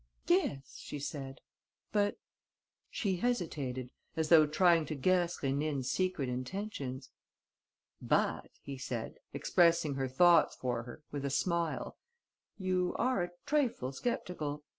"Yes," she said, "but...." She hesitated, as though trying to guess Rénine's secret intentions. "But," he said, expressing her thoughts for her, with a smile, "you are a trifle sceptical.